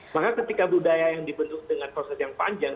maka ketika budaya yang dibendung dengan proses yang panjang